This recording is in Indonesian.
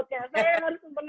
saya yang harus mengenalkan